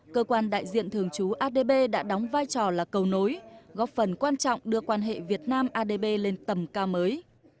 cơ quan đại diện thường trú adb đã đóng vai trò là cầu nối góp phần quan trọng đưa quan hệ việt nam adb lên tầm cao mới